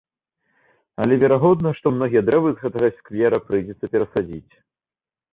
Але верагодна, што многія дрэвы з гэтага сквера давядзецца перасадзіць.